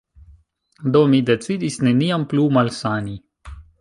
Do, mi decidis neniam plu malsani.